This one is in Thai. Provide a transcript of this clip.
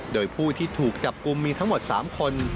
โดยผู้ที่ถูกจับกลุ่มมีทั้งหมด๓คน